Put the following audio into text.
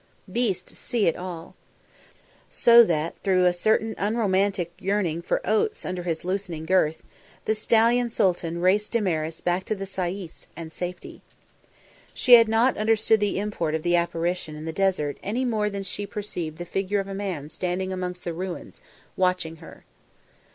Beasts see it not at all. So that through a certain unromantic yearning for oats under his loosening girth, the stallion Sooltan raced Damaris back to the sayis and safety. She had not understood the import of the apparition in the desert any more than she perceived the figure of a man standing amongst the ruins, watching her.